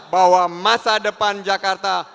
bahwa masa depan jakarta